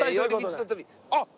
あっ！